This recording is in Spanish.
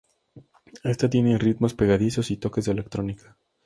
Esta tiene ritmos pegadizos y toques de electrónica.